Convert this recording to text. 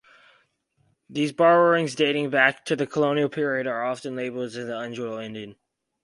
These borrowings, dating back to the colonial period, are often labeled as "Anglo-Indian".